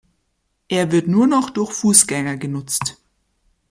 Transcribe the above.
Er wird nur noch durch Fußgänger genutzt.